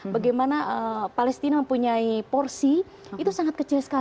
bagaimana palestina mempunyai porsi itu sangat kecil sekali